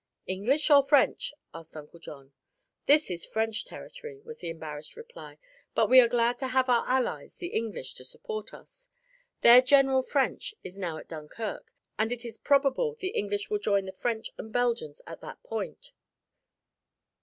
"English, or French?" asked Uncle John. "This is French territory," was the embarrassed reply, "but we are glad to have our allies, the English, to support us. Their General French is now at Dunkirk, and it is probable the English will join the French and Belgians at that point."